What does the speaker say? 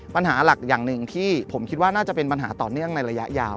ปัญหาหลักอย่างหนึ่งที่ผมคิดว่าน่าจะเป็นปัญหาต่อเนื่องในระยะยาว